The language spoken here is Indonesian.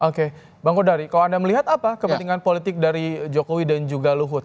oke bang kodari kalau anda melihat apa kepentingan politik dari jokowi dan juga luhut